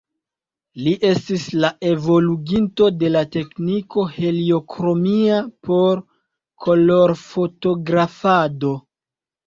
Li estis la evoluginto de la tekniko heliokromia por kolorfotografado.